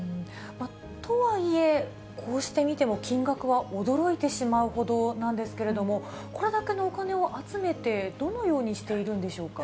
とはいえ、こうして見ても、金額は驚いてしまうほどなんですけれども、これだけのお金を集めて、どのようにしているんでしょうか。